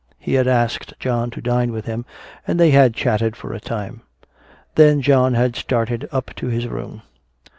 He had asked John to dine with him and they had chatted for a time. Then John had started up to his room.